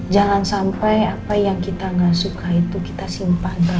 jangan sampai apa yang kita nggak suka itu kita simpah dalam dana